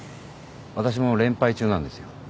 わたしも連敗中なんですよ。